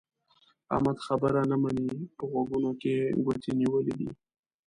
احمد خبره نه مني؛ په غوږو کې يې ګوتې نيولې دي.